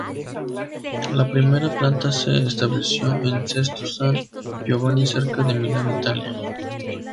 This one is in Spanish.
La primera planta se estableció en Sesto San Giovanni cerca de Milán, Italia.